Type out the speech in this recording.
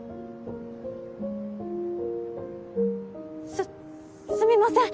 すすみません！